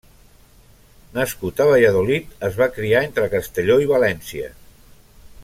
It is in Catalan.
Nascut a Valladolid, es va criar entre Castelló i València.